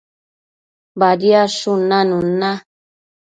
Badiadshun nanun na